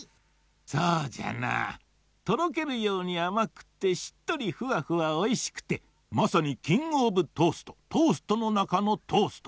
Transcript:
そうじゃなぁとろけるようにあまくってしっとりフワフワおいしくてまさにキングオブトーストトーストのなかのトースト。